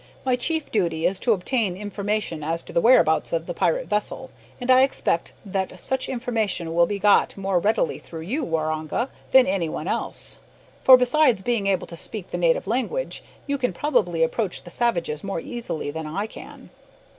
My chief duty is to obtain information as to the whereabouts of the pirate vessel, and I expect that such information will be got more readily through you, Waroonga, than any one else, for, besides being able to speak the native language, you can probably approach the savages more easily than I can."